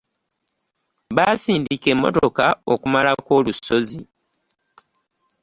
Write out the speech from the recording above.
Baasindika emmotoka okumalako olusozi.